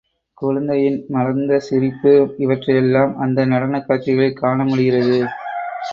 குழந்தையின் மலர்ந்த சிரிப்பு இவற்றையெல்லாம் அந்த நடனக் காட்சிகளில் காண முடிகிறது.